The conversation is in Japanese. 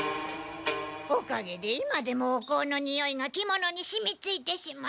おかげで今でもおこうのにおいが着物にしみついてしまってゴッホン。